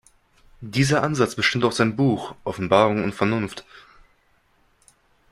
Dieser Ansatz bestimmt auch sein Buch "Offenbarung und Vernunft.